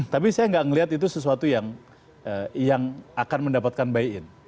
tapi saya nggak melihat itu sesuatu yang akan mendapatkan buy in